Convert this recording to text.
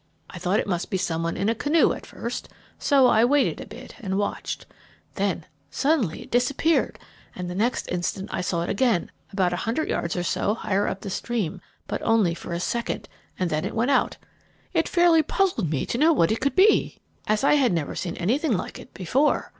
I thought it must be some one in a canoe at first, so I waited a bit and watched. Then it suddenly disappeared, and the next instant I saw it again about a hundred yards or so higher up the stream, but only for a second, and then it went out. It fairly puzzled me to know what it could be, as I had never seen anything like it before.